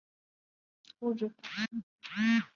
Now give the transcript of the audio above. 列表根据受控物质法设计。